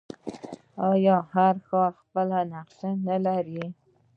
آیا هر ښار خپله نقشه نلري؟